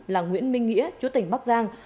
là nguyễn minh nghĩa chủ tỉnh bắc giang